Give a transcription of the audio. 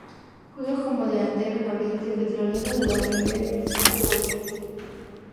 Juega como delantero en Oriente Petrolero de la Primera División de Bolivia.